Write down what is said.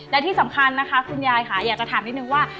และที่สำคัญนะคะคุณยายค่ะอยากจะถามนิดนึงว่า